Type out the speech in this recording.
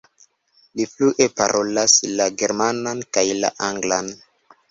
Li flue parolas la germanan kaj la anglan.